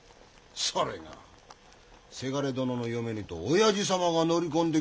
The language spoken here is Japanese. それが伜殿の嫁にと親父様が乗り込んできたのよ。